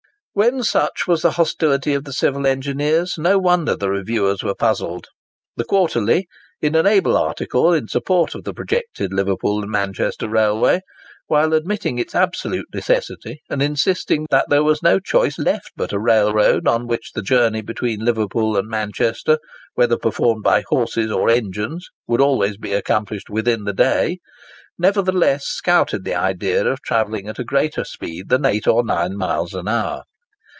When such was the hostility of the civil engineers, no wonder the reviewers were puzzled. The 'Quarterly,' in an able article in support of the projected Liverpool and Manchester Railway,—while admitting its absolute necessity, and insisting that there was no choice left but a railroad, on which the journey between Liverpool and Manchester, whether performed by horses or engines, would always be accomplished "within the day,"—nevertheless scouted the idea of travelling at a greater speed than eight or nine miles an hour.